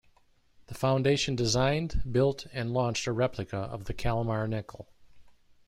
The foundation designed, built, and launched a replica of the "Kalmar Nyckel".